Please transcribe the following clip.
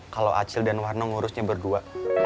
kalau acil dan warna ngurusnya berdua